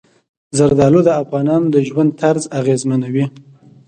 زردالو د افغانانو د ژوند طرز اغېزمنوي.